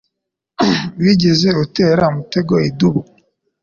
Wigeze utera umutego idubu?